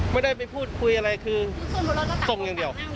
ไม่ได้ไปพูดคุยอะไรคือส่งอย่างเดียว